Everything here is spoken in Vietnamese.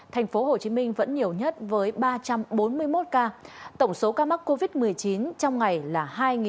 thành phố hồ chí minh vẫn nhiều nhất với ba trăm bốn mươi một ca tổng số ca mắc covid một mươi chín trong ngày là hai ba trăm sáu mươi bảy